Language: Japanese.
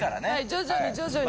徐々に徐々に。